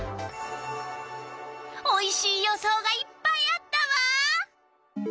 おいしい予想がいっぱいあったわ！